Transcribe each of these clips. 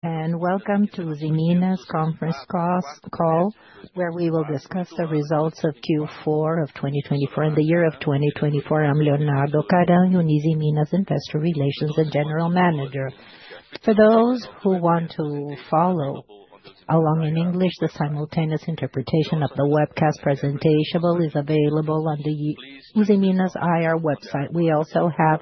Welcome to Usiminas's Conference Call, where we will discuss the results of Q4 of 2024 and the year of 2024. I'm Leonardo Karam, Usiminas's Investor Relations General Manager. For those who want to follow along in English, the simultaneous interpretation of the webcast presentation is available on the Usiminas's IR website. We also have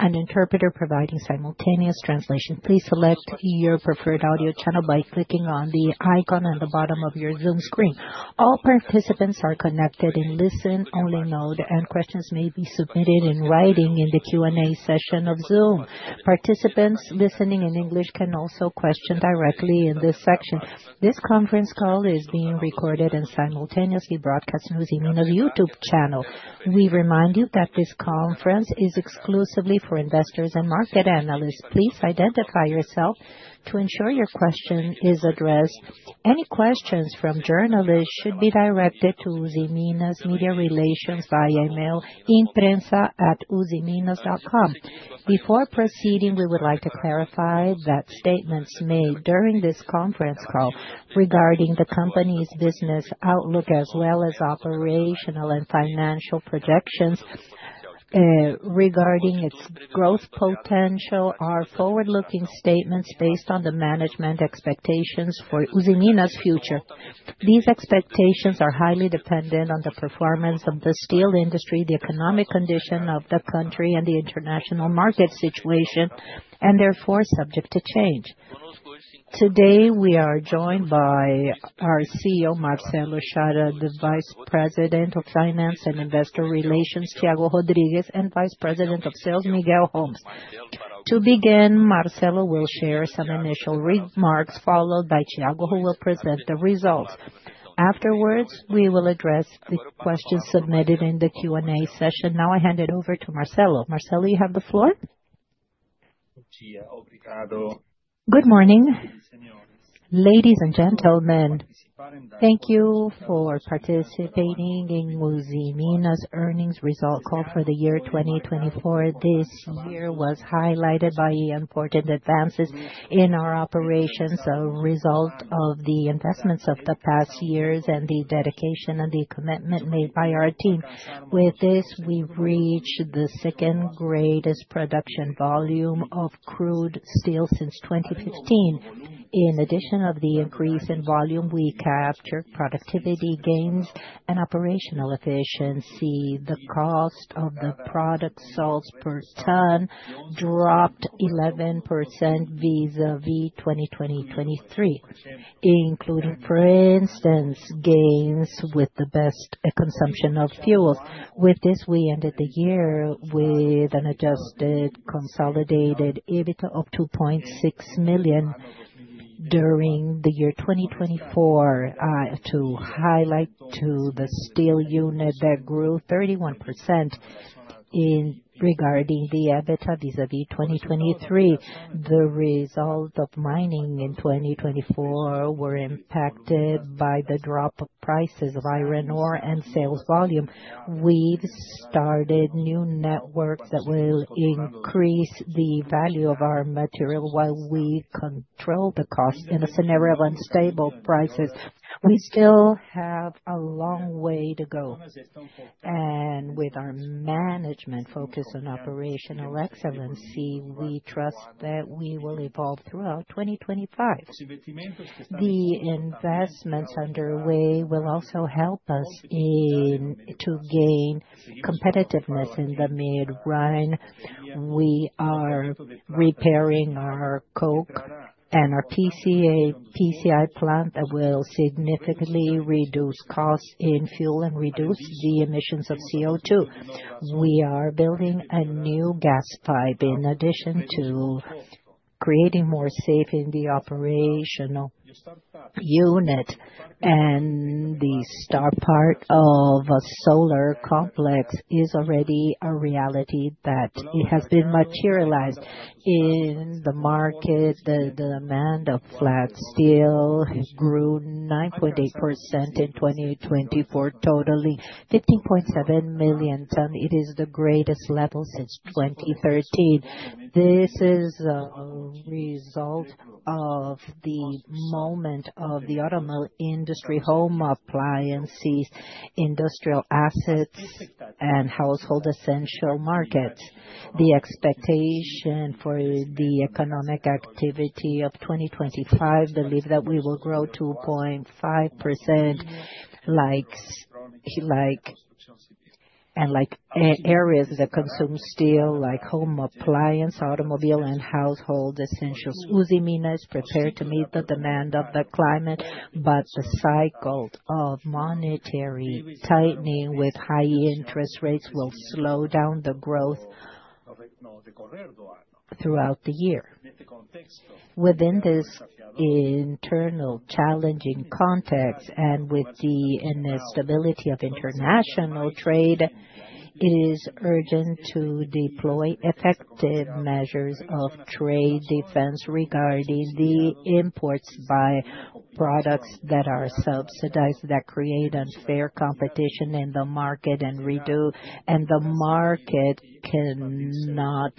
an interpreter providing simultaneous translation. Please select your preferred audio channel by clicking on the icon at the bottom of your Zoom screen. All participants are connected in listen-only mode, and questions may be submitted in writing in the Q&A session of Zoom. Participants listening in English can also question directly in this section. This conference call is being recorded and simultaneously broadcast on the Usiminas's YouTube channel. We remind you that this conference is exclusively for investors and market analysts. Please identify yourself to ensure your question is addressed. Any questions from journalists should be directed to Usiminas' Media Relations via email imprensa@usiminas.com. Before proceeding, we would like to clarify that statements made during this conference call regarding the company's business outlook, as well as operational and financial projections regarding its growth potential, are forward-looking statements based on the management expectations for Usiminas' future. These expectations are highly dependent on the performance of the steel industry, the economic condition of the country, and the international market situation, and therefore subject to change. Today, we are joined by our CEO, Marcelo Chara, the Vice President of Finance and Investor Relations, Thiago Rodrigues, and Vice President of Sales, Miguel Homes. To begin, Marcelo will share some initial remarks, followed by Thiago, who will present the results. Afterwards, we will address the questions submitted in the Q&A session. Now I hand it over to Marcelo. Marcelo, you have the floor. Good morning, ladies and gentlemen. Thank you for participating in Usiminas's Earnings Result Call for the year 2024. This year was highlighted by important advances in our operations, a result of the investments of the past years and the dedication and the commitment made by our team. With this, we've reached the second greatest production volume of crude steel since 2015. In addition to the increase in volume, we captured productivity gains and operational efficiency. The cost of the product sold per ton dropped 11% vis-à-vis 2023, including, for instance, gains with the best consumption of fuels. With this, we ended the year with an adjusted consolidated EBITDA of 2.6 million during the year 2024. To highlight to the steel unit that grew 31% regarding the EBITDA vis-à-vis 2023, the result of mining in 2024 was impacted by the drop of prices of iron ore and sales volume. We've started new networks that will increase the value of our material while we control the cost in a scenario of unstable prices. We still have a long way to go, and with our management focused on operational excellence, we trust that we will evolve throughout 2025. The investments underway will also help us to gain competitiveness in the mid-run. We are repairing our coke and our PCI plant that will significantly reduce costs in fuel and reduce the emissions of CO2. We are building a new gas pipe. In addition to creating more safety in the operational unit, the startup of a solar complex is already a reality that has been materialized in the market. The demand of flat steel grew 9.8% in 2024, totaling 15.7 million tons. It is the greatest level since 2013. This is a result of the moment of the auto industry, home appliances, industrial assets, and household essential markets. The expectation for the economic activity of 2025 is believed that we will grow 2.5% in areas that consume steel, like home appliances, automobiles, and household essentials. Usiminas is prepared to meet the demand of the clients, but the cycle of monetary tightening with high interest rates will slow down the growth throughout the year. Within this internal challenging context and with the instability of international trade, it is urgent to deploy effective measures of trade defense regarding the imports by products that are subsidized that create unfair competition in the market and reduce, and the market cannot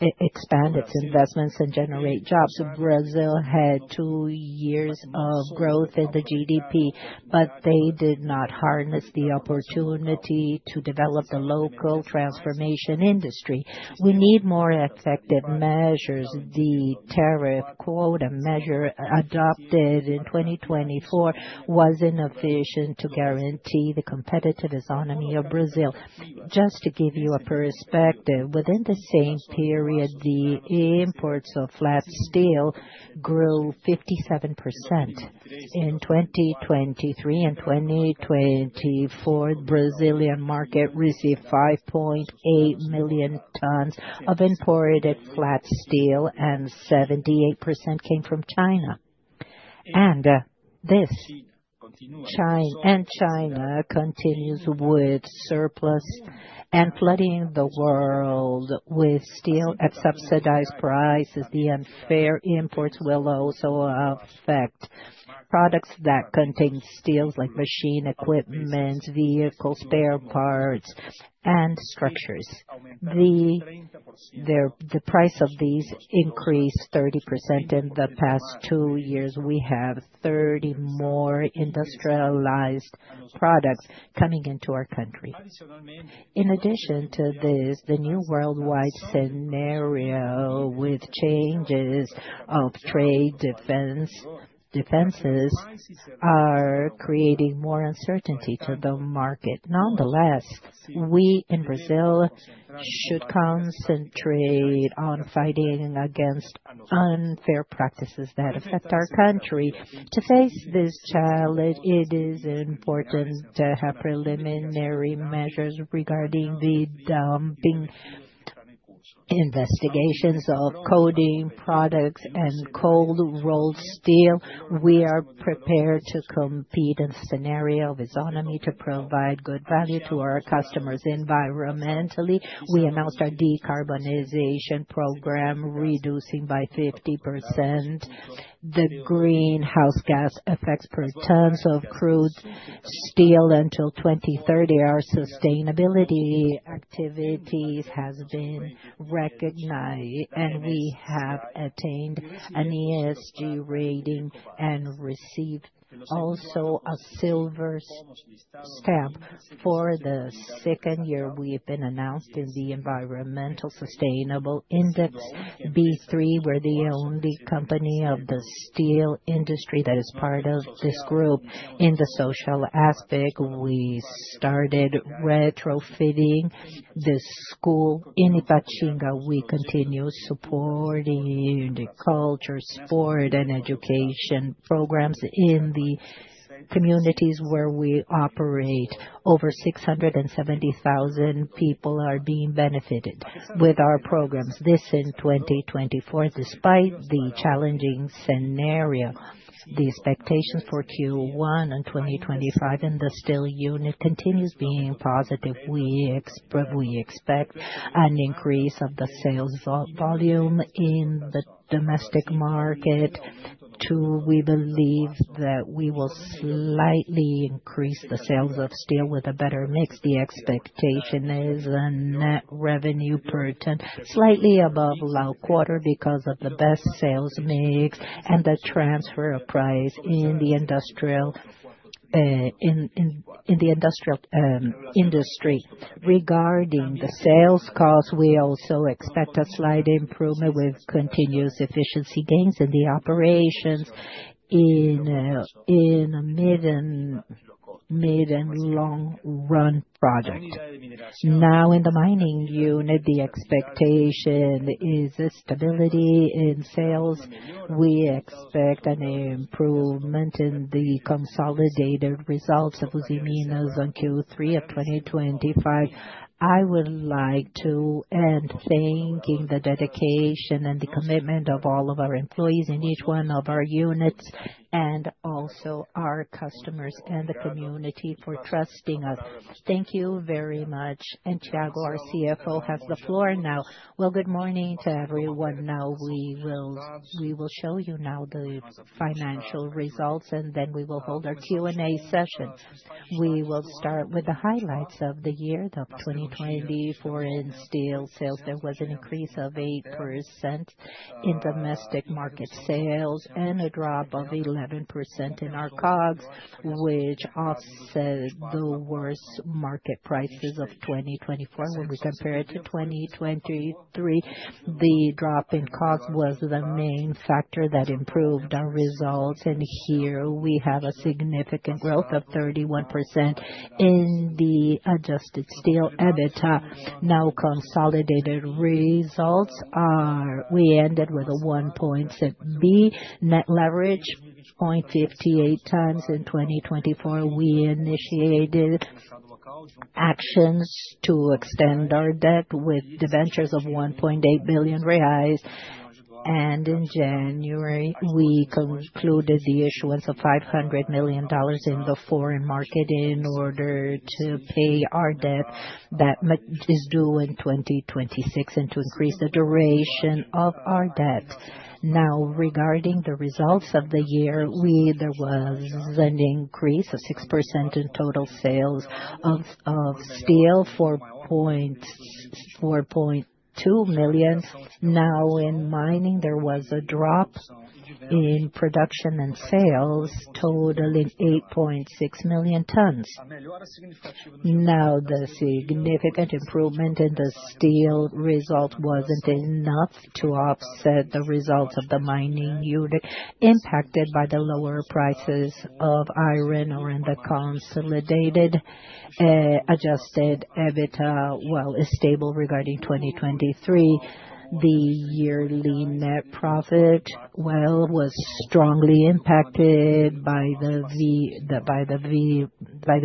expand its investments and generate jobs. Brazil had two years of growth in the GDP, but they did not harness the opportunity to develop the local transformation industry. We need more effective measures. The tariff quota measure adopted in 2024 was inefficient to guarantee the competitive autonomy of Brazil. Just to give you a perspective, within the same period, the imports of flat steel grew 57% in 2023. In 2024, the Brazilian market received 5.8 million tons of imported flat steel, and 78% came from China, and China continues with surplus and flooding the world with steel at subsidized prices. The unfair imports will also affect products that contain steel, like machine equipment, vehicles, spare parts, and structures. The price of these increased 30% in the past two years. We have 30 more industrialized products coming into our country. In addition to this, the new worldwide scenario with changes of trade defenses is creating more uncertainty to the market. Nonetheless, we in Brazil should concentrate on fighting against unfair practices that affect our country. To face this challenge, it is important to have preliminary measures regarding the dumping investigations of coated products and cold rolled steel. We are prepared to compete in the scenario of autonomy to provide good value to our customers environmentally. We announced our decarbonization program, reducing by 50% the greenhouse gas effects per tons of crude steel until 2030. Our sustainability activities have been recognized, and we have attained an ESG rating and received also a silver stamp for the second year. We've been announced in the B3 Sustainability Index, where the only company of the steel industry that is part of this group in the social aspect. We started retrofitting the school in Ipatinga. We continue supporting the culture, sport, and education programs in the communities where we operate. Over 670,000 people are being benefited with our programs. This in 2024. Despite the challenging scenario, the expectations for Q1 and 2025 in the steel unit continue to be positive. We expect an increase of the sales volume in the domestic market. We believe that we will slightly increase the sales of steel with a better mix. The expectation is a net revenue per ton slightly above last quarter because of the best sales mix and the transfer of price in the industrial industry. Regarding the sales cost, we also expect a slight improvement with continuous efficiency gains in the operations in a mid and long-run project. Now, in the mining unit, the expectation is stability in sales. We expect an improvement in the consolidated results of Usiminas's Q3 of 2025. I would like to end thanking the dedication and the commitment of all of our employees in each one of our units and also our customers and the community for trusting us. Thank you very much. Thiago, our CFO, has the floor now. Good morning to everyone. Now we will show you the financial results, and then we will hold our Q&A session. We will start with the highlights of the year of 2024 in steel sales. There was an increase of 8% in domestic market sales and a drop of 11% in our COGS, which offset the worst market prices of 2024. When we compare it to 2023, the drop in COGS was the main factor that improved our results. Here we have a significant growth of 31% in the adjusted steel EBITDA. Now, consolidated results. We ended with a 1.6 billion net debt, leverage 0.58 times in 2024. We initiated actions to extend our debt with the debentures of 1.8 billion reais. And in January, we concluded the issuance of $500 million in the foreign market in order to pay our debt that is due in 2026 and to increase the duration of our debt. Now, regarding the results of the year, there was an increase of 6% in total sales of steel, 4.2 million. Now, in mining, there was a drop in production and sales, totaling 8.6 million tons. Now, the significant improvement in the steel result wasn't enough to offset the results of the mining unit impacted by the lower prices of iron ore, and the consolidated adjusted EBITDA. While it's stable regarding 2023, the yearly net profit was strongly impacted by the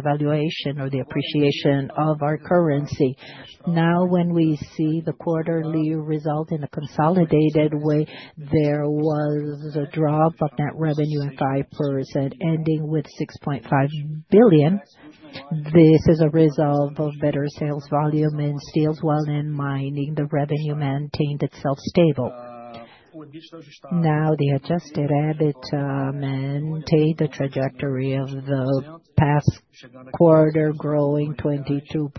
valuation or the appreciation of our currency. Now, when we see the quarterly result in a consolidated way, there was a drop of net revenue of 5%, ending with 6.5 billion. This is a result of better sales volume in steel. While in mining, the revenue maintained itself stable. Now, the Adjusted EBITDA maintained the trajectory of the past quarter, growing 22%,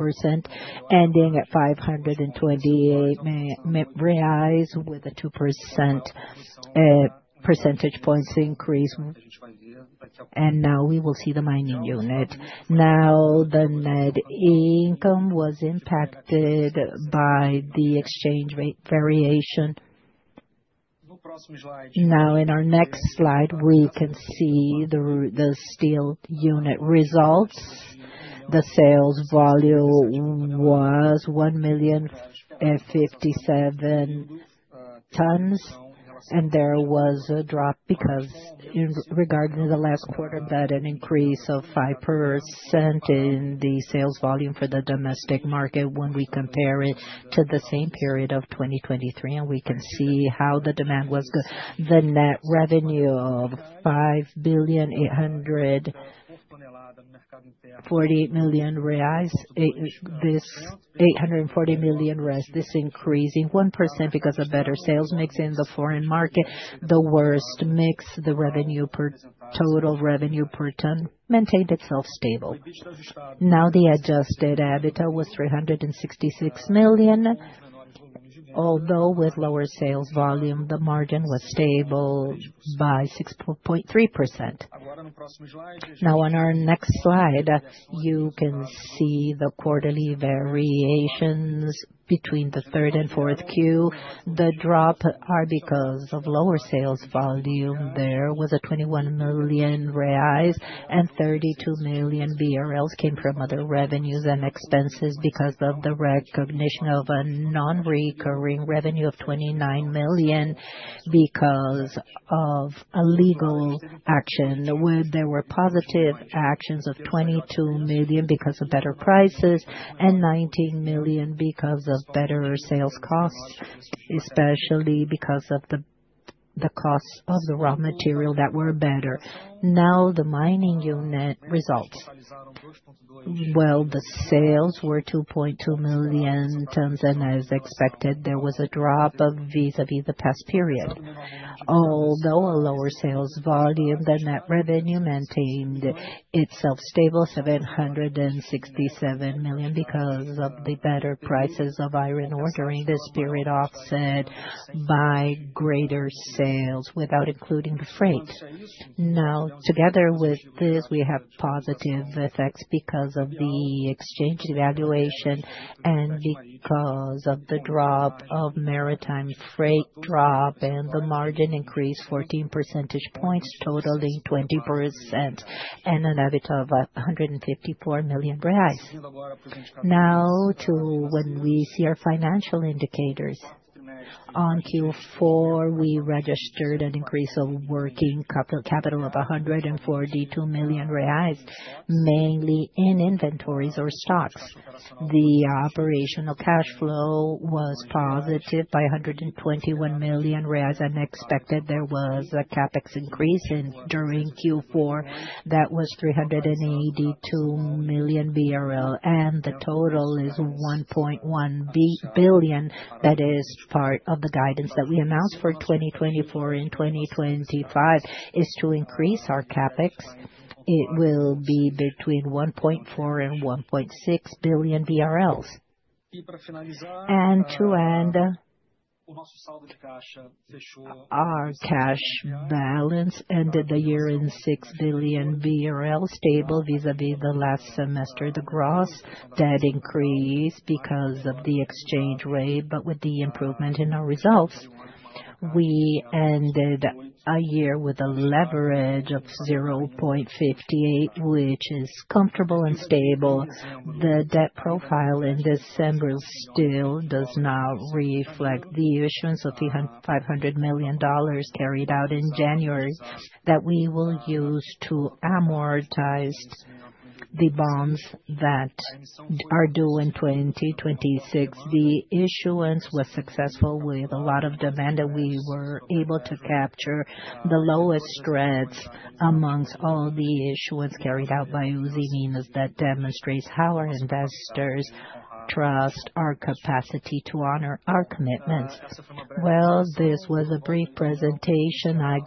ending at 528 million reais with a 2 percentage point increase. Now we will see the mining unit. Now, the net income was impacted by the exchange rate variation. Now, in our next slide, we can see the steel unit results. The sales volume was 1,057 tons, and there was a drop because regarding the last quarter, there was an increase of 5% in the sales volume for the domestic market when we compare it to the same period of 2023. We can see how the demand was. The net revenue of 5.8 billion this increased 1% because of better sales mix in the foreign market. The sales mix, the total revenue per ton, maintained itself stable. Now, the adjusted EBITDA was 366 million, although with lower sales volume, the margin was stable by 6.3%. Now, on our next slide, you can see the quarterly variations between the third and fourth Q. The drops are because of lower sales volume. There was 21 million reais, and 32 million BRL came from other revenues and expenses because of the recognition of a non-recurring revenue of 29 million because of legal action. There were positive actions of 22 million because of better prices and 19 million because of better sales costs, especially because of the costs of the raw material that were better. Now, the mining unit results. The sales were 2.2 million tons, and as expected, there was a drop vis-à-vis the past period. Although a lower sales volume, the net revenue maintained itself stable, 767 million, because of the better prices of iron ore. During this period, it offset by greater sales without including the freight. Now, together with this, we have positive effects because of the exchange devaluation and because of the drop of maritime freight, drop in the margin increase 14 percentage points, totaling 20% and an EBITDA of 154 million reais. Now, when we see our financial indicators, on Q4, we registered an increase of working capital of 142 million reais, mainly in inventories or stocks. The operational cash flow was positive by 121 million. I expected there was a CapEx increase during Q4 that was 382 million BRL, and the total is 1.1 billion. That is part of the guidance that we announced for 2024. In 2025, it is to increase our CapEx. It will be between 1.4 billion BRL and 1.6 billion BRL. And to end, our cash balance ended the year in 6 billion BRL, stable vis-à-vis the last semester. The gross debt increased because of the exchange rate, but with the improvement in our results, we ended a year with a leverage of 0.58, which is comfortable and stable. The debt profile in December still does not reflect the issuance of $500 million carried out in January that we will use to amortize the bonds that are due in 2026. The issuance was successful with a lot of demand, and we were able to capture the lowest spreads amongst all the issuance carried out by Usiminas that demonstrates how our investors trust our capacity to honor our commitments. This was a brief presentation. I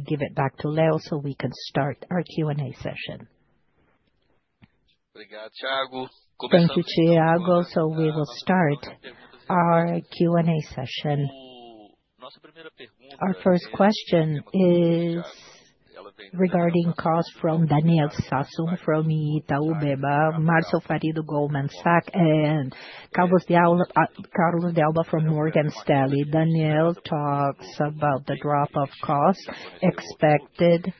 give it back to Leo so we can start our Q&A session. Thank you, Thiago. We will start our Q&A session. Our first question is regarding costs from Daniel Sasson from Itaú BBA, Marcio Farid from Goldman Sachs, and Carlos de Alba from Morgan Stanley. Daniel talks about the drop of costs expected.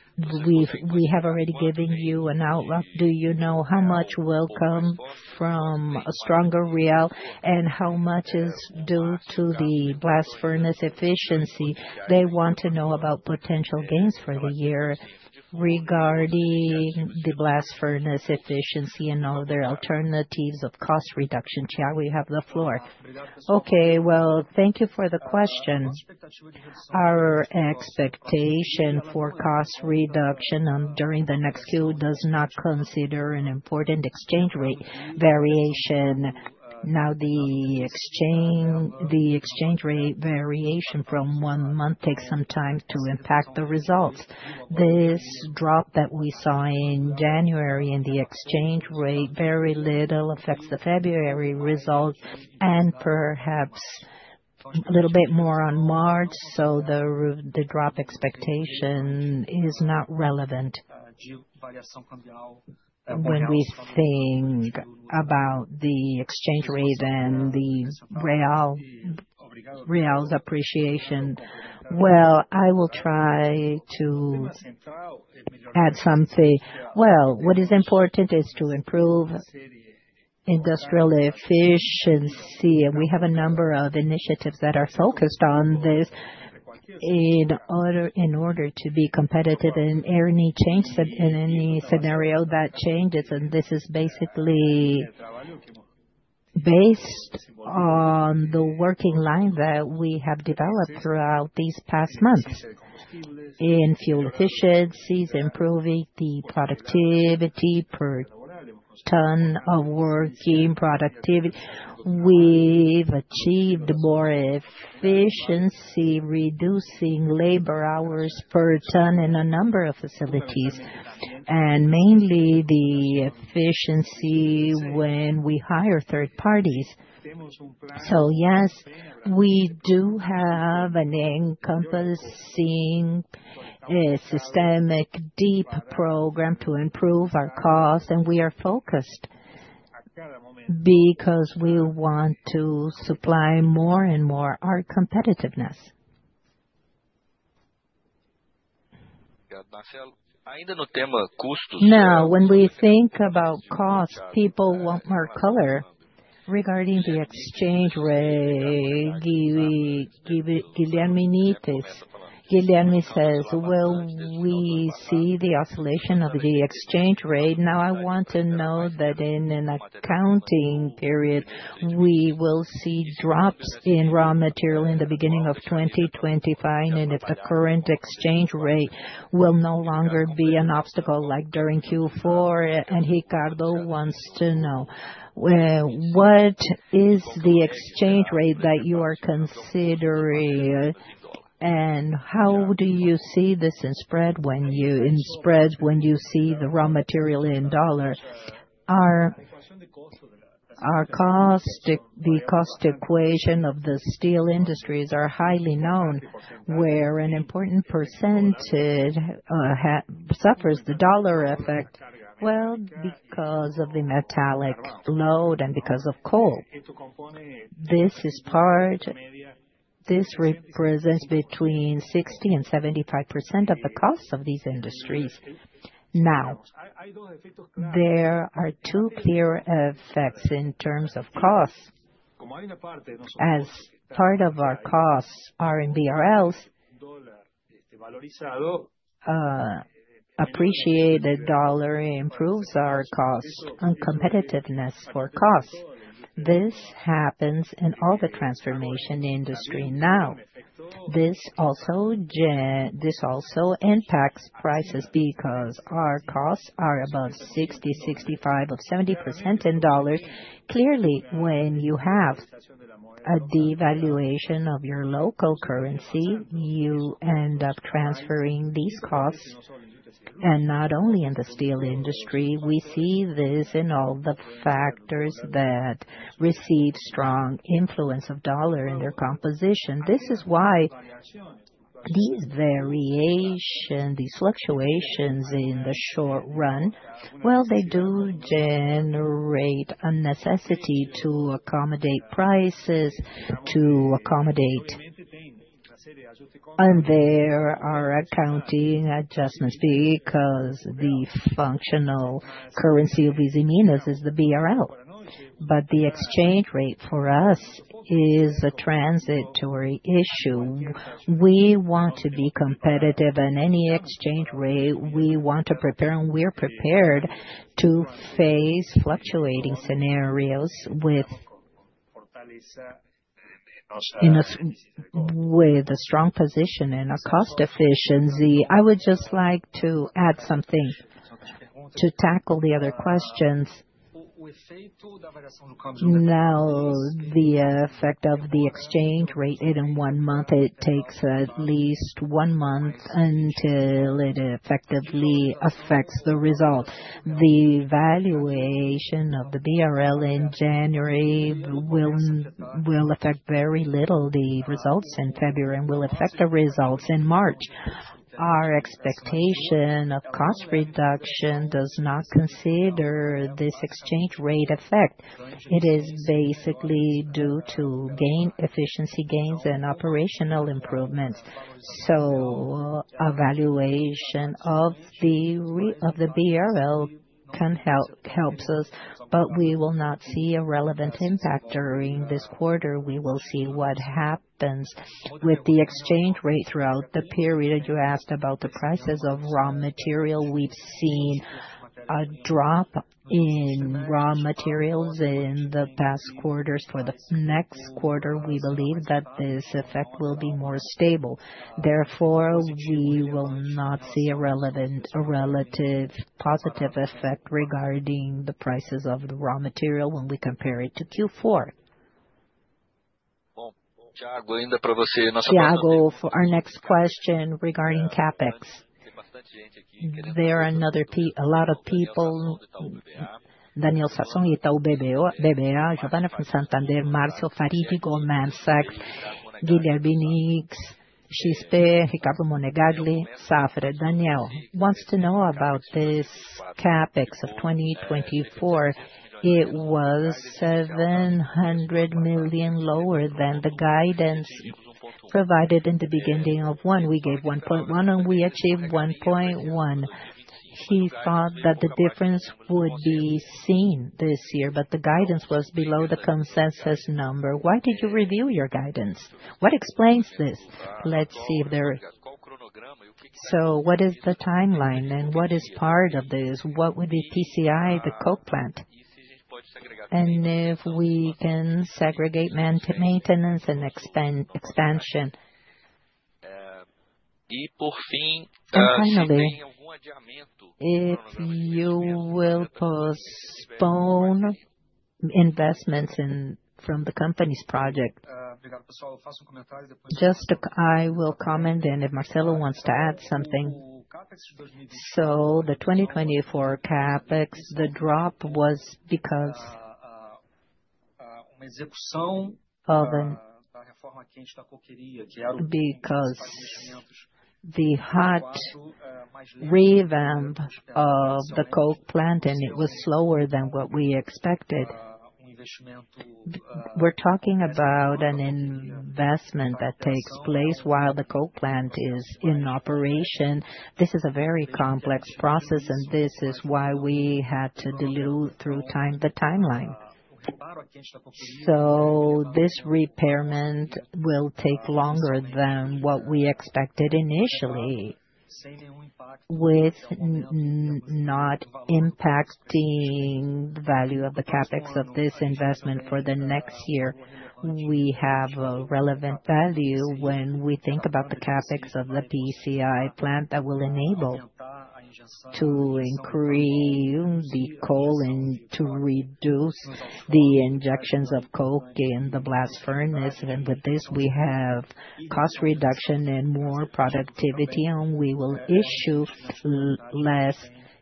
We have already given you an outlook. Do you know how much will come from a stronger real and how much is due to the blast furnace efficiency? They want to know about potential gains for the year regarding the blast furnace efficiency and other alternatives of cost reduction. Thiago, you have the floor. Okay, well, thank you for the question. Our expectation for cost reduction during the next Q does not consider an important exchange rate variation. Now, the exchange rate variation from one month takes some time to impact the results. This drop that we saw in January in the exchange rate very little affects the February results and perhaps a little bit more on March, so the drop expectation is not relevant when we think about the exchange rate and the reais appreciation. I will try to add something. What is important is to improve industrial efficiency. We have a number of initiatives that are focused on this in order to be competitive in any change, in any scenario that changes. This is basically based on the working line that we have developed throughout these past months in fuel efficiencies, improving the productivity per ton of working productivity. We've achieved more efficiency reducing labor hours per ton in a number of facilities and mainly the efficiency when we hire third parties. So yes, we do have an encompassing systemic deep program to improve our costs, and we are focused because we want to supply more and more our competitiveness. Now, when we think about costs, people want more color regarding the exchange rate. Guilherme says we see the oscillation of the exchange rate. Now, I want to know that in an accounting period, we will see drops in raw material in the beginning of 2025, and if the current exchange rate will no longer be an obstacle like during Q4. And Ricardo wants to know what is the exchange rate that you are considering and how do you see this in spread when you see the raw material in dollar? The cost equation of the steel industries is highly known where an important percentage suffers the dollar effect. Well, because of the metallic load and because of coke. This represents between 60% and 75% of the costs of these industries. Now, there are two clear effects in terms of costs. As part of our costs are in BRL, appreciated dollar improves our costs and competitiveness for costs. This happens in all the transformation industry now. This also impacts prices because our costs are above 60%, 65%, or 70% in dollars. Clearly, when you have a devaluation of your local currency, you end up transferring these costs. And not only in the steel industry, we see this in all the factors that receive strong influence of dollar in their composition. This is why these variations, these fluctuations in the short run, well, they do generate a necessity to accommodate prices, to accommodate our accounting adjustments because the functional currency of Usiminas is the BRL. But the exchange rate for us is a transitory issue. We want to be competitive in any exchange rate. We want to prepare, and we're prepared to face fluctuating scenarios with a strong position in cost efficiency. I would just like to add something to tackle the other questions. Now, the effect of the exchange rate in one month, it takes at least one month until it effectively affects the result. The valuation of the BRL in January will affect very little the results in February and will affect the results in March. Our expectation of cost reduction does not consider this exchange rate effect. It is basically due to efficiency gains and operational improvements. So evaluation of the BRL can help us, but we will not see a relevant impact during this quarter. We will see what happens with the exchange rate throughout the period. You asked about the prices of raw material. We've seen a drop in raw materials in the past quarter. For the next quarter, we believe that this effect will be more stable. Therefore, we will not see a relative positive effect regarding the prices of the raw material when we compare it to Q4. Thiago, for our next question regarding CapEx, there are a lot of people: Daniel Sasson from Itaú BBA, Giovana from Santander, Marcio Farid from Goldman Sachs, Guilherme Nippes, XP, Ricardo Monegaglia, Safra. Daniel wants to know about this CapEx of 2024. It was 700 million lower than the guidance provided in the beginning of the year. We gave 1.1 billion, and we achieved 1.1 billion. He thought that the difference would be seen this year, but the guidance was below the consensus number. Why did you review your guidance? What explains this? Let's see if there is. So what is the timeline and what is part of this? What would be PCI, the coke plant? And if we can segregate maintenance and expansion. And finally, if you will postpone investments from the company's project? I will comment and if Marcelo wants to add something. So the 2024 CapEx, the drop was because of the hot revamp of the coke plant, and it was slower than what we expected. We're talking about an investment that takes place while the coke plant is in operation. This is a very complex process, and this is why we had to dilute through time the timeline. So this revamp will take longer than what we expected initially, without impacting the value of the CapEx of this investment for the next year. We have a relevant value when we think about the CapEx of the PCI plant that will enable to increase the coal and to reduce the injections of coke in the blast furnace, and with this, we have cost reduction and more productivity, and we will issue less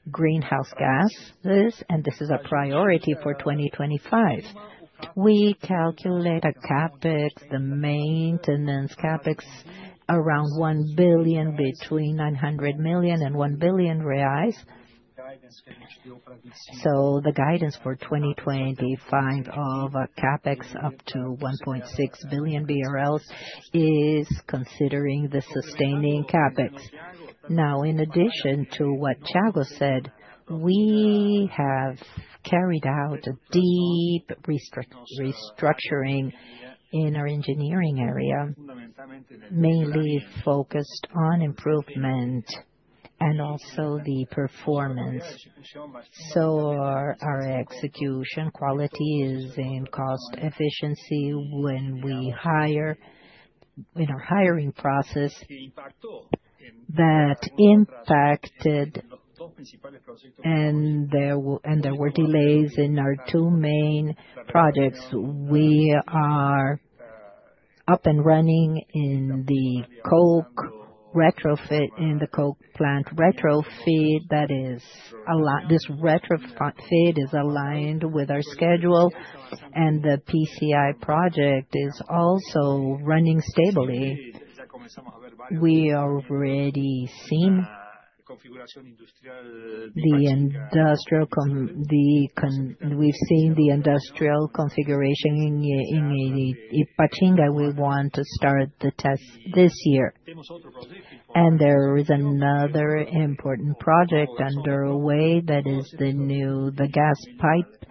greenhouse gases, and this is a priority for 2025. We calculate a CapEx, the maintenance CapEx, around 1 billion between 900 million and 1 billion reais. The guidance for 2025 of a CapEx up to 1.6 billion BRL is considering the sustaining CapEx. Now, in addition to what Thiago said, we have carried out a deep restructuring in our engineering area, mainly focused on improvement and also the performance, so our execution quality is in cost efficiency when we hire in our hiring process that impacted, and there were delays in our two main projects. We are up and running in the coke retrofit in the coke plant retrofit. That is, this retrofit is aligned with our schedule, and the PCI project is also running stably. We are already seeing the industrial configuration in Ipatinga. We want to start the test this year, and there is another important project underway that is the new gas pipe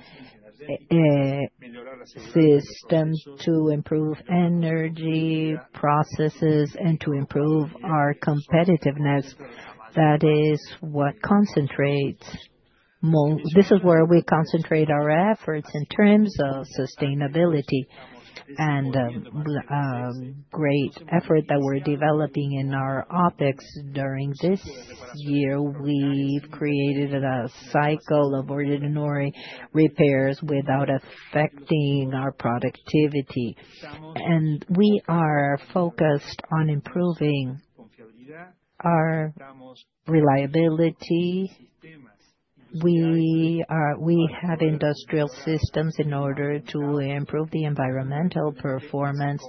system to improve energy processes and to improve our competitiveness. That is what concentrates. This is where we concentrate our efforts in terms of sustainability and great effort that we're developing in our OPEX. During this year, we've created a cycle of ordinary repairs without affecting our productivity, and we are focused on improving our reliability. We have industrial systems in order to improve the environmental performance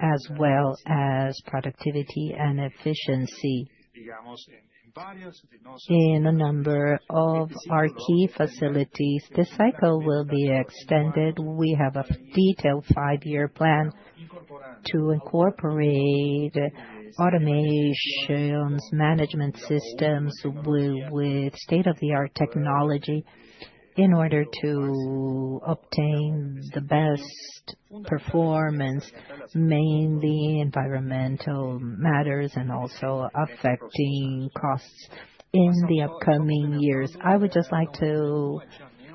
as well as productivity and efficiency in a number of our key facilities. This cycle will be extended. We have a detailed five-year plan to incorporate automation management systems with state-of-the-art technology in order to obtain the best performance, mainly environmental matters and also affecting costs in the upcoming years. I would just like to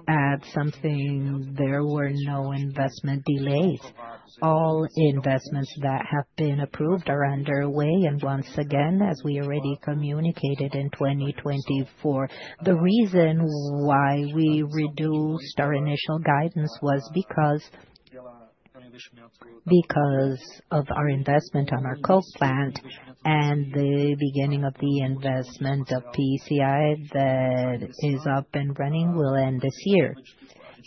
add something: there were no investment delays. All investments that have been approved are underway. And once again, as we already communicated in 2024, the reason why we reduced our initial guidance was because of our investment on our coke plant and the beginning of the investment of PCI that is up and running will end this year.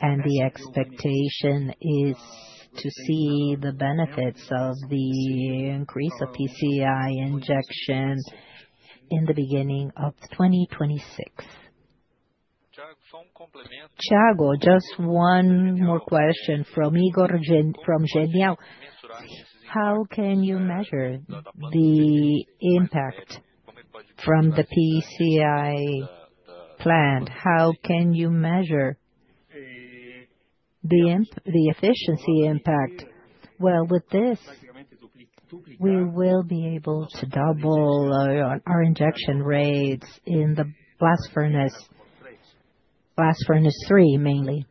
And the expectation is to see the benefits of the increase of PCI injection in the beginning of 2026. Thiago, just one more question from Guilherme. How can you measure the impact from the PCI plant? How can you measure the efficiency impact? With this, we will be able to double our injection rates in the blast furnace, Blast Furnace 3 mainly.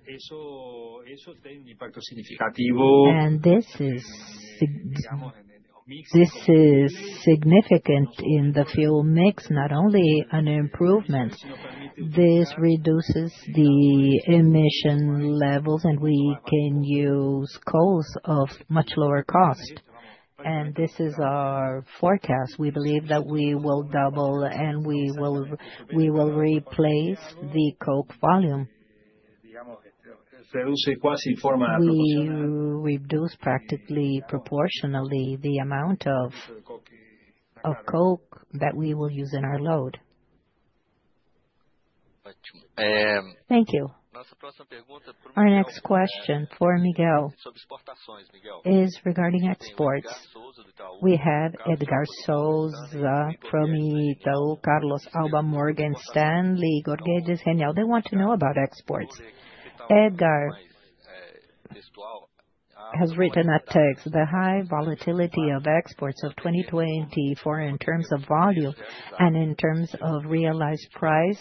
And this is significant in the fuel mix, not only an improvement. This reduces the emission levels, and we can use coals of much lower cost. And this is our forecast. We believe that we will double and we will replace the coke volume. We reduce practically proportionally the amount of coke that we will use in our load. Thank you. Our next question for Miguel is regarding exports. We have Edgard Souza from Itaú, Carlos de Alba Morgan Stanley, Igor Guedes Genial. They want to know about exports. Edgard has written a text. The high volatility of exports of 2024 in terms of volume and in terms of realized price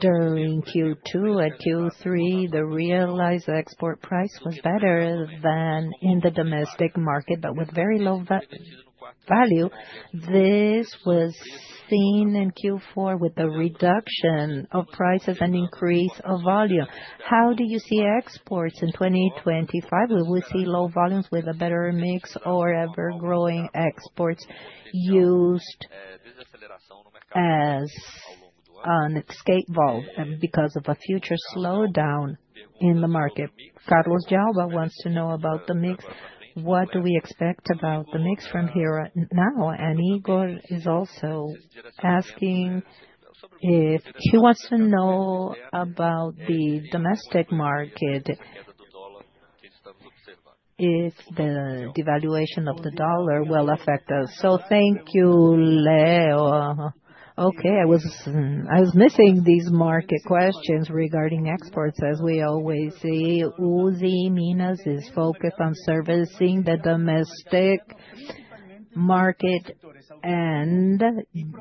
during Q2 and Q3, the realized export price was better than in the domestic market, but with very low value. This was seen in Q4 with the reduction of prices and increase of volume. How do you see exports in 2025? Will we see low volumes with a better mix or ever-growing exports used as an escape valve because of a future slowdown in the market? Carlos de Alba wants to know about the mix. What do we expect about the mix from here now, and Igor is also asking if he wants to know about the domestic market, if the devaluation of the dollar will affect us. So thank you, Leo. Okay, I was missing these market questions regarding exports. As we always see, Usiminas is focused on servicing the domestic market and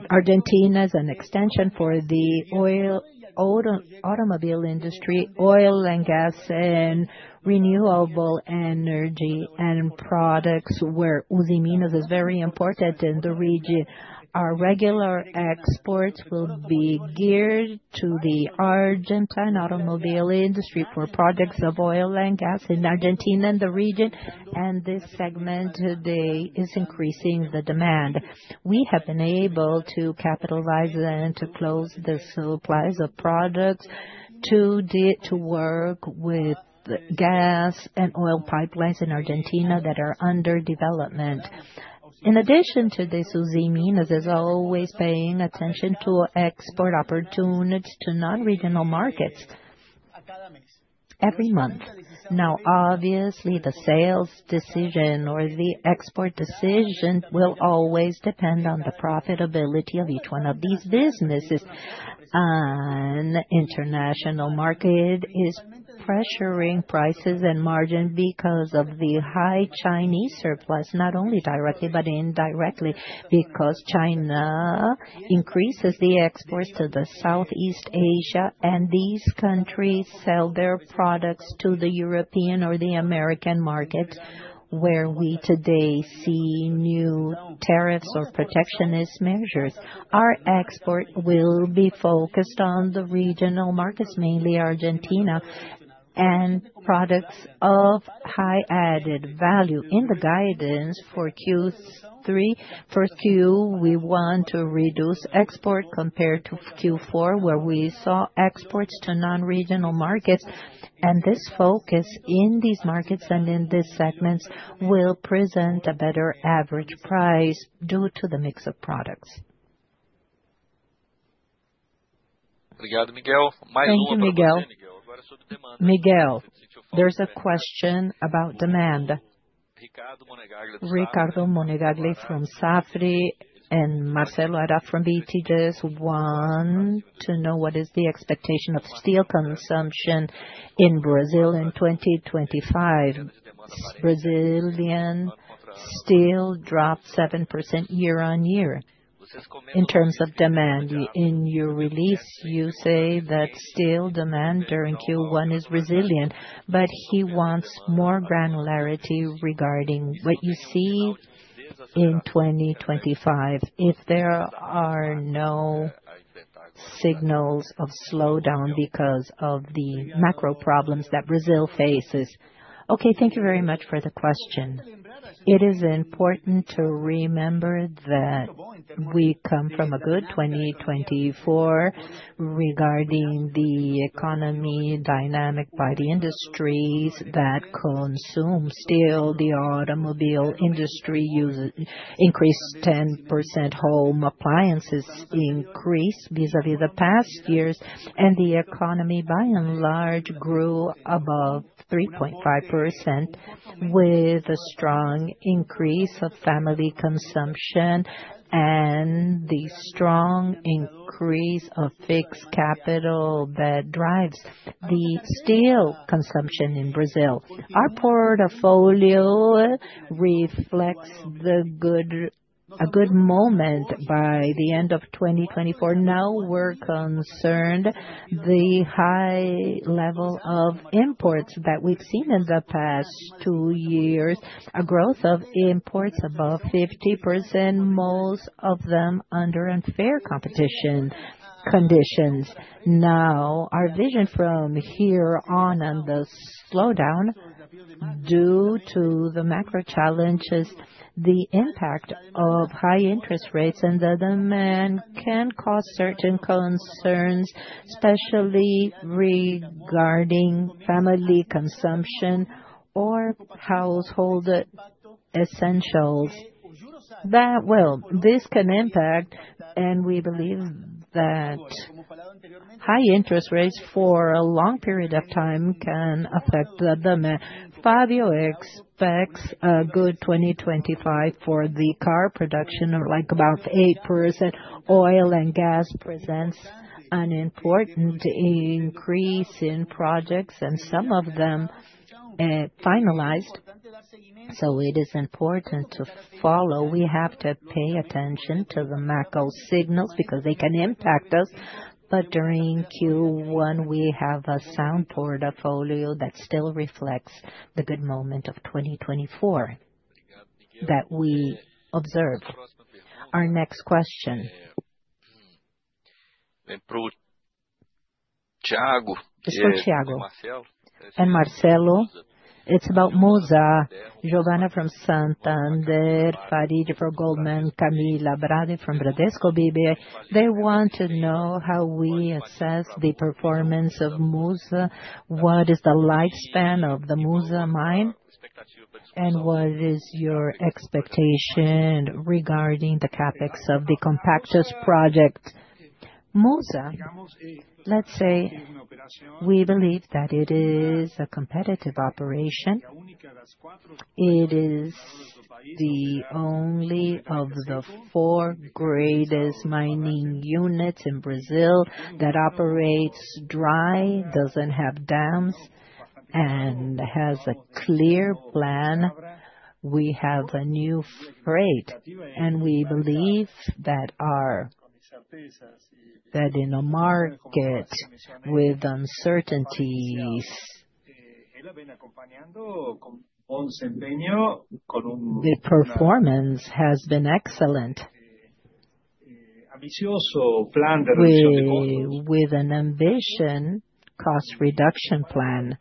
Argentina is an extension for the automobile industry, oil and gas, and renewable energy and products where Usiminas is very important in the region. Our regular exports will be geared to the Argentine automobile industry for products of oil and gas in Argentina and the region. And this segment, they are increasing the demand. We have been able to capitalize and to close the supplies of products to work with gas and oil pipelines in Argentina that are under development. In addition to this, Usiminas is always paying attention to export opportunities to non-regional markets every month. Now, obviously, the sales decision or the export decision will always depend on the profitability of each one of these businesses. An international market is pressuring prices and margins because of the high Chinese surplus, not only directly but indirectly, because China increases the exports to the Southeast Asia, and these countries sell their products to the European or the American markets where we today see new tariffs or protectionist measures. Our export will be focused on the regional markets, mainly Argentina, and products of high added value. In the guidance for Q3, for Q2, we want to reduce exports compared to Q4, where we saw exports to non-regional markets. And this focus in these markets and in these segments will present a better average price due to the mix of products. Thank you, Miguel. Miguel. There's a question about demand. Ricardo Monegaglia from Safra and Marcelo Ara from Vitiges want to know what is the expectation of steel consumption in Brazil in 2025. Brazilian steel dropped 7% year on year. In terms of demand, in your release, you say that steel demand during Q1 is resilient, but he wants more granularity regarding what you see in 2025 if there are no signals of slowdown because of the macro problems that Brazil faces. Okay, thank you very much for the question. It is important to remember that we come from a good 2024 regarding the economy dynamic by the industries that consume steel. The automobile industry increased 10%, home appliances increased vis-à-vis the past years, and the economy by and large grew above 3.5% with a strong increase of family consumption and the strong increase of fixed capital that drives the steel consumption in Brazil. Our portfolio reflects a good moment by the end of 2024. Now we're concerned about the high level of imports that we've seen in the past two years, a growth of imports above 50%, most of them under unfair competition conditions. Now, our vision from here on and the slowdown due to the macro challenges, the impact of high interest rates and the demand can cause certain concerns, especially regarding family consumption or household essentials. Well, this can impact, and we believe that high interest rates for a long period of time can affect the demand. Fabio expects a good 2025 for the car production, like about 8%. Oil and gas presents an important increase in projects, and some of them are finalized, so it is important to follow. We have to pay attention to the macro signals because they can impact us. But during Q1, we have a sound portfolio that still reflects the good moment of 2024 that we observed. Our next question is from Thiago and Marcelo. It's about MUSA. Giovana from Santander, Farid from Goldman, Camila Bardini from Bradesco BBI. They want to know how we assess the performance of MUSA, what is the lifespan of the MUSA mine, and what is your expectation regarding the CapEx of the Compactos project? MUSA, let's say we believe that it is a competitive operation. It is the only one of the four greatest mining units in Brazil that operates dry, doesn't have dams, and has a clear plan. We have a new freight, and we believe that in a market with uncertainties, the performance has been excellent. With an ambitious cost reduction plan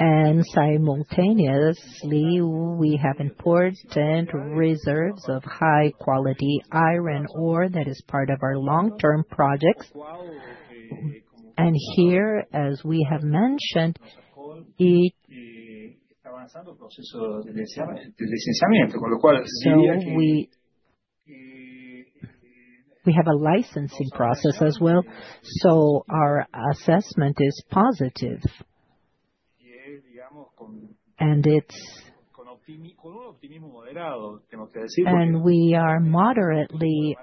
and simultaneously, we have important reserves of high-quality iron ore that is part of our long-term projects. Here, as we have mentioned, we have a licensing process as well, so our assessment is positive. We are moderately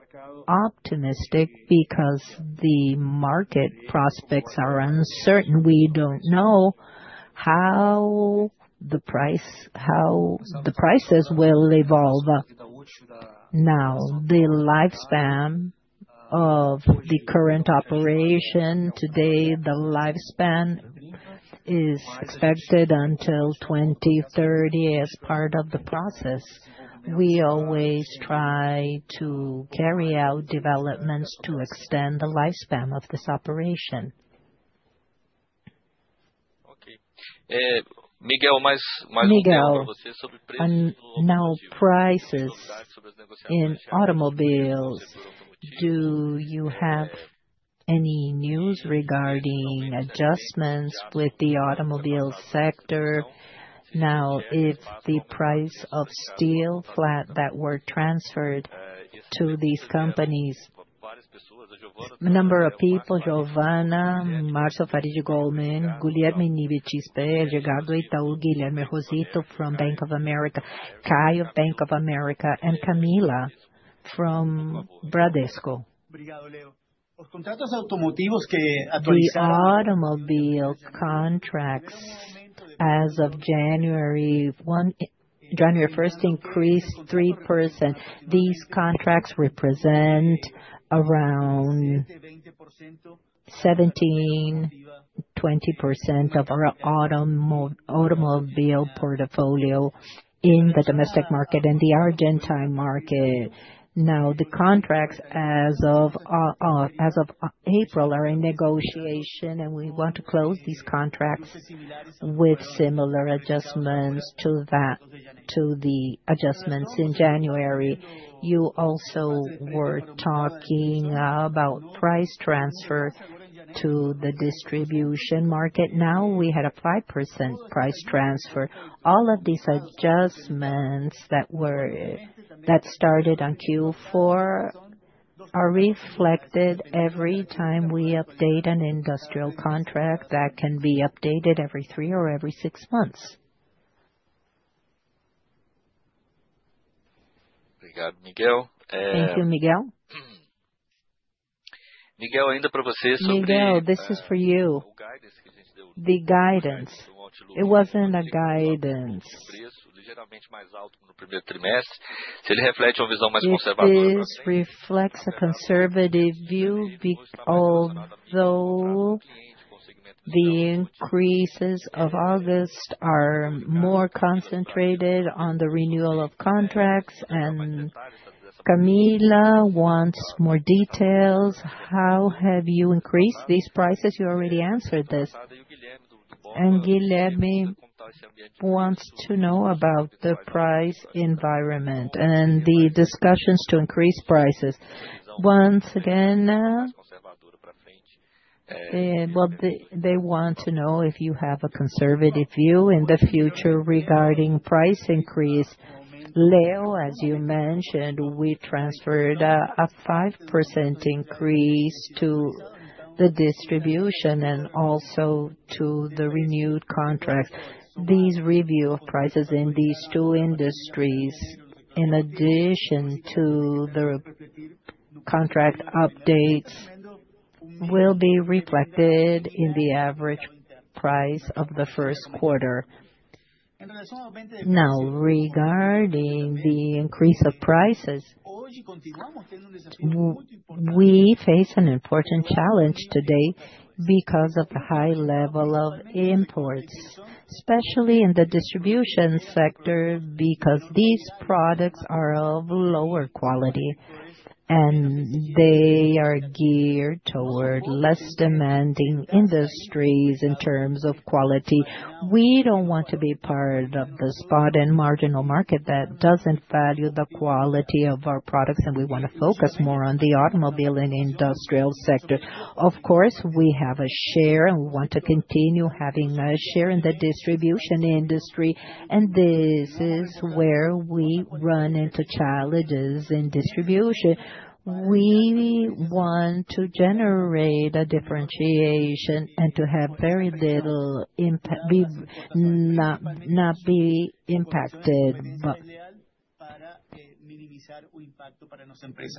optimistic because the market prospects are uncertain. We don't know how the prices will evolve. Now, the lifespan of the current operation today, the lifespan is expected until 2030 as part of the process. We always try to carry out developments to extend the lifespan of this operation. Miguel. Now, prices in automobiles, do you have any news regarding adjustments with the automobile sector? Now, if the price of flat steel that were transferred to these companies, the number of people, Giovana, Marcio Farid, Goldman, Guilherme Nippes, Edgard, Itaú, Guilherme Rosito from Bank of America, Caio Bank of America, and Camilla from Bradesco. The automobile contracts as of January 1st increased 3%. These contracts represent around 17-20% of our automobile portfolio in the domestic market and the Argentine market. Now, the contracts as of April are in negotiation, and we want to close these contracts with similar adjustments to the adjustments in January. You also were talking about price transfer to the distribution market. Now we had a 5% price transfer. All of these adjustments that started on Q4 are reflected every time we update an industrial contract that can be updated every three or every six months. Thank you, Miguel. Miguel, this is for you. The guidance. It wasn't a guidance. It reflects a conservative view, although the increases of August are more concentrated on the renewal of contracts. And Camilla wants more details. How have you increased these prices? You already answered this. And Guilherme wants to know about the price environment and the discussions to increase prices. Once again, they want to know if you have a conservative view in the future regarding price increase. Leo, as you mentioned, we transferred a 5% increase to the distribution and also to the renewed contracts. This review of prices in these two industries, in addition to the contract updates, will be reflected in the average price of the Q1. Now, regarding the increase of prices, we face an important challenge today because of the high level of imports, especially in the distribution sector, because these products are of lower quality and they are geared toward less demanding industries in terms of quality. We don't want to be part of the spot and marginal market that doesn't value the quality of our products, and we want to focus more on the automobile and industrial sector. Of course, we have a share, and we want to continue having a share in the distribution industry, and this is where we run into challenges in distribution. We want to generate a differentiation and to have very little impact, not be impacted.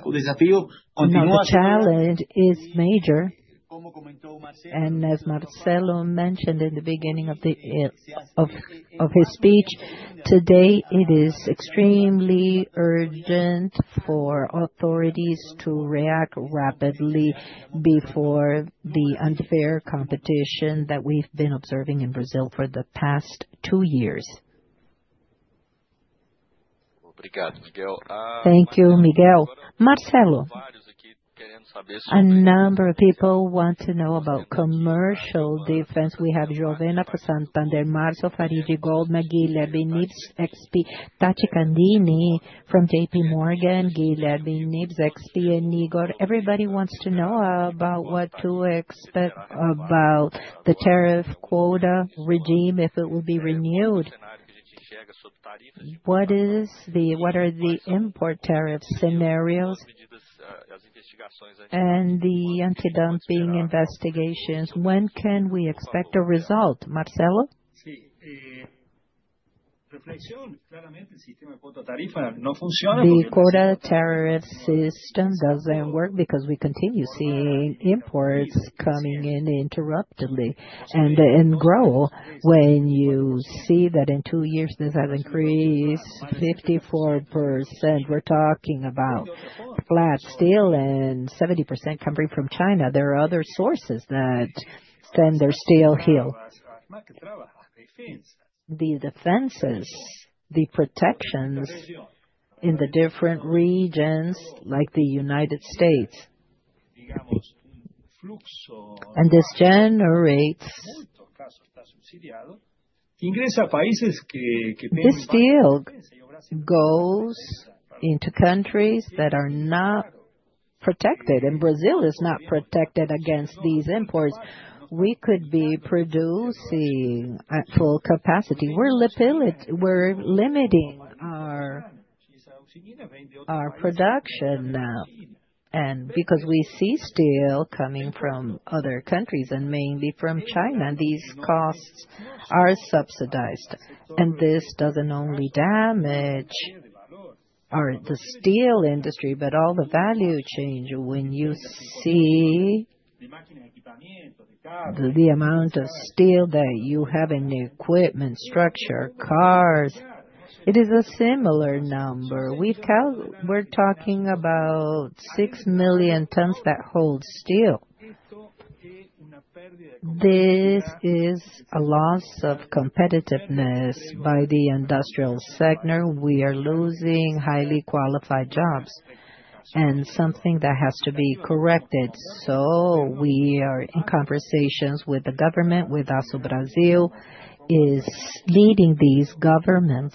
The challenge is major, and as Marcelo mentioned in the beginning of his speech today, it is extremely urgent for authorities to react rapidly before the unfair competition that we've been observing in Brazil for the past two years. Thank you, Miguel. Marcelo. A number of people want to know about commercial defense. We have Giovana for Santander, Marcio Farid, Goldman, Guilherme Nippes, XP, Rodolfo Angele from J.P. Morgan, and Igor. Everybody wants to know about what to expect about the tariff quota regime if it will be renewed. What are the import tariff scenarios and the anti-dumping investigations? When can we expect a result? Marcelo? The quota tariff system doesn't work because we continue seeing imports coming in uninterruptedly and grow. When you see that in two years this has increased 54%, we're talking about flat steel and 70% coming from China. There are other sources that extend their steel mill. The defenses, the protections in the different regions, like the United States, and this generates this steel goes into countries that are not protected, and Brazil is not protected against these imports. We could be producing at full capacity. We're limiting our production now, and because we see steel coming from other countries and mainly from China, these costs are subsidized, and this doesn't only damage the steel industry, but all the value chain when you see the amount of steel that you have in the equipment structure, cars; it is a similar number. We're talking about six million tons of steel. This is a loss of competitiveness by the industrial sector. We are losing highly qualified jobs, and something that has to be corrected, so we are in conversations with the government, with Aço Brasil, which is leading these conversations.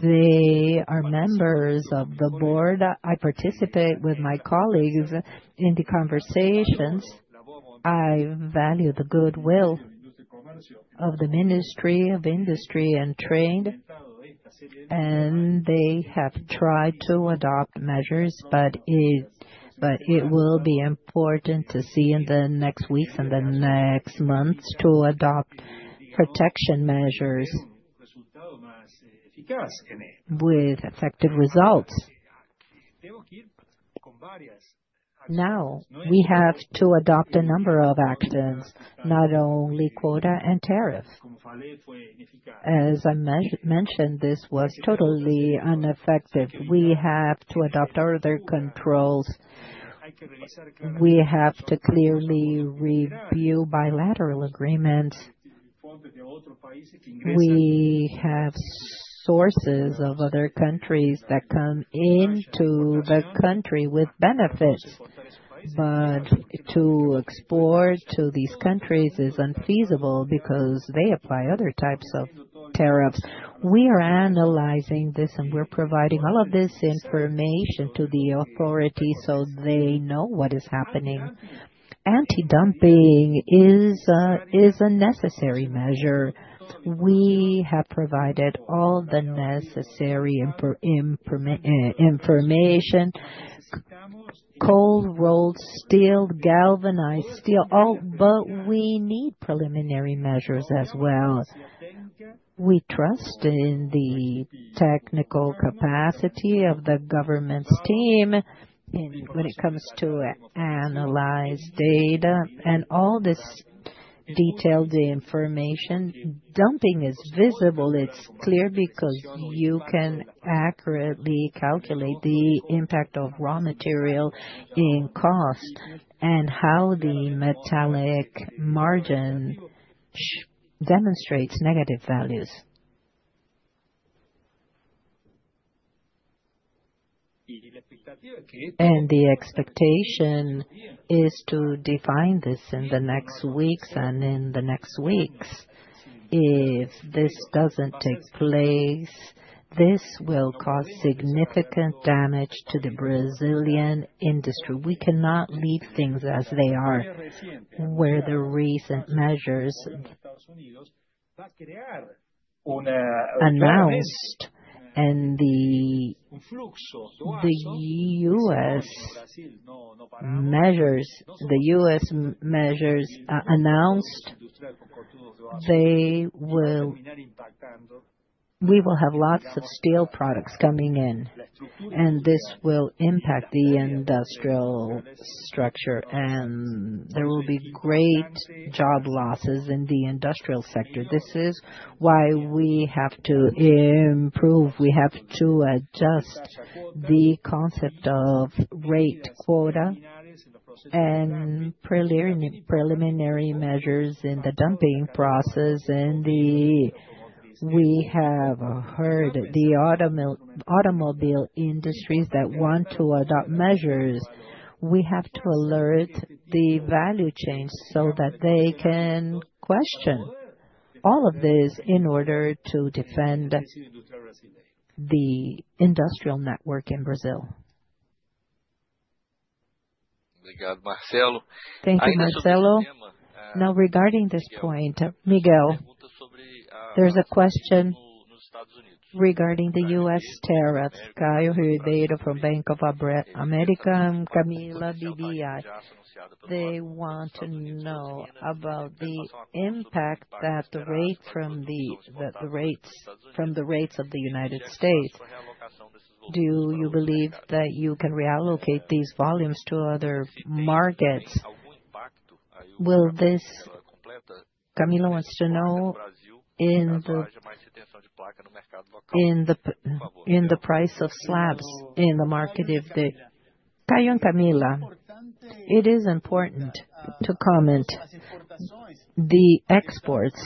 They are members of the board. I participate with my colleagues in the conversations. I value the goodwill of the Ministry of Industry and Trade, and they have tried to adopt measures, but it will be important to see in the next weeks and the next months to adopt protection measures with effective results. Now, we have to adopt a number of actions, not only quota and tariff. As I mentioned, this was totally ineffective. We have to adopt other controls. We have to clearly review bilateral agreements. We have sources of other countries that come into the country with benefits, but to export to these countries is unfeasible because they apply other types of tariffs. We are analyzing this, and we're providing all of this information to the authorities so they know what is happening. Anti-dumping is a necessary measure. We have provided all the necessary information: cold rolled steel, galvanized steel, but we need preliminary measures as well. We trust in the technical capacity of the government's team when it comes to analyzed data and all this detailed information. Dumping is visible. It's clear because you can accurately calculate the impact of raw material in cost and how the metallic margin demonstrates negative values, and the expectation is to define this in the next weeks and in the next weeks. If this doesn't take place, this will cause significant damage to the Brazilian industry. We cannot leave things as they are, where the recent measures announced and the U.S. measures announced, we will have lots of steel products coming in, and this will impact the industrial structure, and there will be great job losses in the industrial sector. This is why we have to improve. We have to adjust the concept of tariff quota and preliminary measures in the dumping process. And we have heard the automobile industries that want to adopt measures. We have to alert the value chain so that they can question all of this in order to defend the industrial network in Brazil. Thank you, Marcelo. Now, regarding this point, Miguel, there's a question regarding the U.S. tariffs. Caio Ribeiro from Bank of America, Camila Bardini, Bradesco BBI, they want to know about the impact that the tariffs from the United States. Do you believe that you can reallocate these volumes to other markets? Will this? Camila Bardini wants to know in the price of slabs in the market. Caio and Camilla, it is important to comment. The exports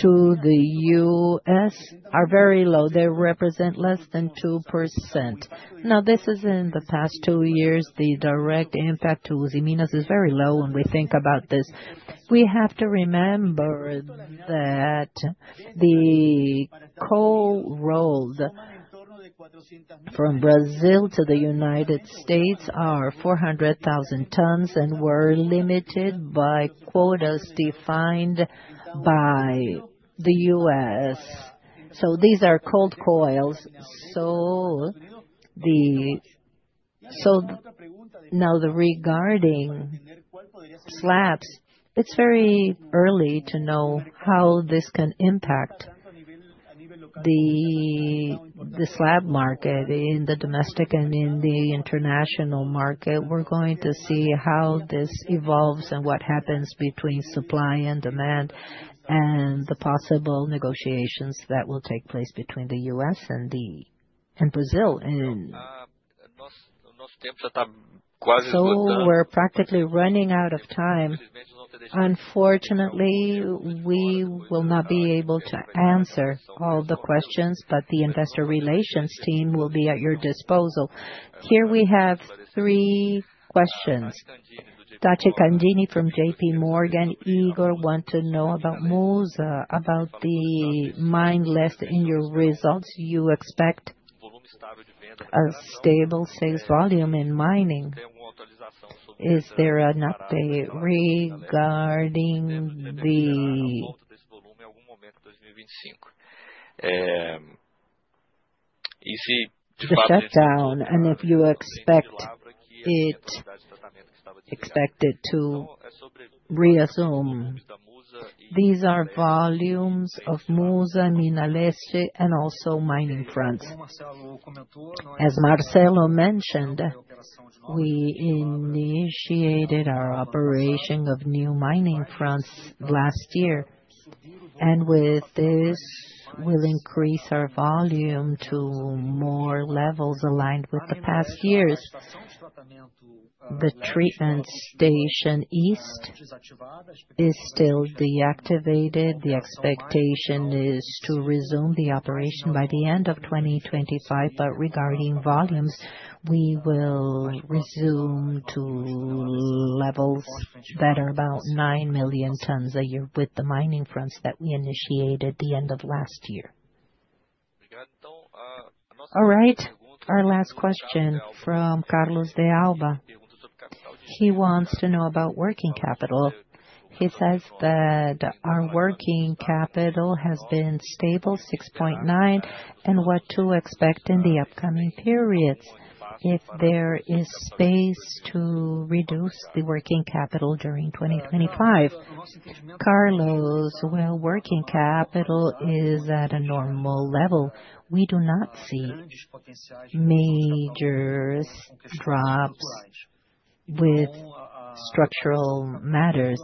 to the U.S. are very low. They represent less than 2%. Now, this is in the past two years. The direct impact to us is very low when we think about this. We have to remember that the cold rolls from Brazil to the United States are 400,000 tons and were limited by quotas defined by the U.S. So these are cold coils. So now, regarding slabs, it's very early to know how this can impact the slab market in the domestic and in the international market. We're going to see how this evolves and what happens between supply and demand and the possible negotiations that will take place between the U.S. and Brazil. So we're practically running out of time. Unfortunately, we will not be able to answer all the questions, but the investor relations team will be at your disposal. Here we have three questions. Tathy Candini from J.P. Morgan, Igor wants to know about MUSA, about the milestones in your results. You expect a stable sales volume in mining. Regarding the shutdown and if you expect it to resume. These are volumes of MUSA Mineração and also mining front. As Marcelo mentioned, we initiated our operation of new mining front last year, and with this, we'll increase our volume to more levels aligned with the past years. The Treatment Station East is still deactivated. The expectation is to resume the operation by the end of 2025, but regarding volumes, we will resume to levels that are about nine million tons a year with the mining front that we initiated the end of last year. All right, our last question from Carlos de Alba. He wants to know about working capital. He says that our working capital has been stable, 6.9, and what to expect in the upcoming periods if there is space to reduce the working capital during 2025? Carlos, well, working capital is at a normal level. We do not see major drops with structural matters.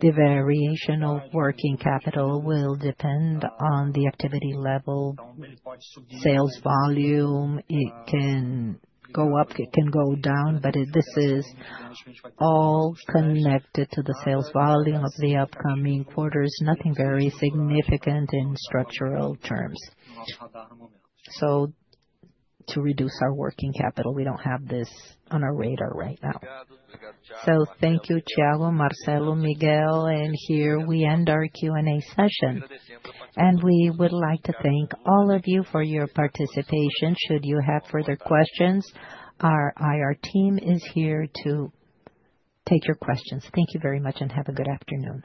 The variation of working capital will depend on the activity level, sales volume. It can go up, it can go down, but this is all connected to the sales volume of the upcoming quarters, nothing very significant in structural terms, so to reduce our working capital, we don't have this on our radar right now. So thank you, Thiago, Marcelo, Miguel, and here we end our Q&A session, and we would like to thank all of you for your participation. Should you have further questions, our IR team is here to take your questions. Thank you very much and have a good afternoon.